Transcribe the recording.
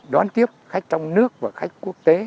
đón tiếp khách trong nước và khách quốc tế